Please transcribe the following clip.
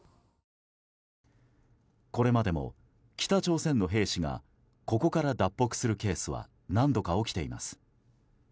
これまでも北朝鮮の兵士がここから脱北するケースは何度か起きています。